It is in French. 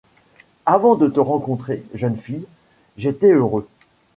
Avant de te rencontrer, jeune fille, j’étais heureux...